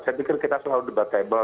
saya pikir kita selalu debatable